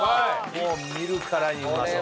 もう見るからにうまそう。